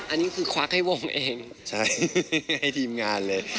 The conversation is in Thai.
อันนี้คือควักให้วงเองใช่ให้ทีมงานเลย